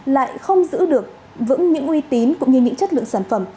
lại không giữ được vững những uy tín cũng như những chất lượng sản phẩm